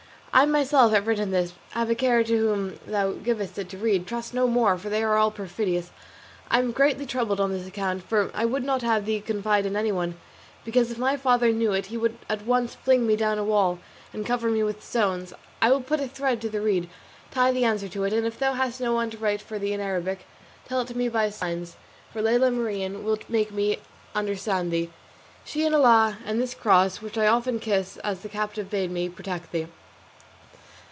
I myself have written this: have a care to whom thou givest it to read: trust no Moor, for they are all perfidious. I am greatly troubled on this account, for I would not have thee confide in anyone, because if my father knew it he would at once fling me down a well and cover me with stones. I will put a thread to the reed; tie the answer to it, and if thou hast no one to write for thee in Arabic, tell it to me by signs, for Lela Marien will make me understand thee. She and Allah and this cross, which I often kiss as the captive bade me, protect thee."